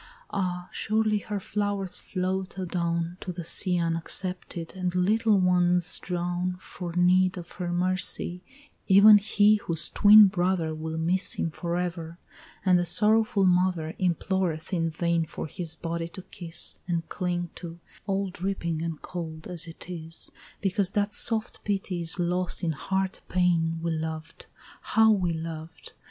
Ah! surely her flowers float adown To the sea unaccepted, and little ones drown For need of her mercy, even he whose twin brother Will miss him forever; and the sorrowful mother Imploreth in vain for his body to kiss And cling to, all dripping and cold as it is, Because that soft pity is lost in hard pain We loved, how we loved!